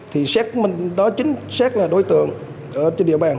thì xét mình đó chính xác là đối tượng trên địa bàn